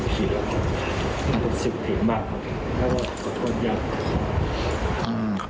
ผมรู้สึกผิดมากเพราะว่าขอโทษญาติเขา